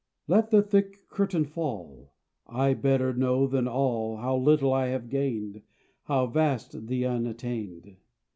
Let the thick curtain fall; I better know than all How little I have gained, How vast the unattained.